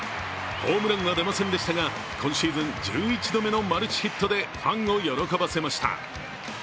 ホームランは出ませんでしたが今シーズン１１度目のマルチヒットでファンを喜ばせました。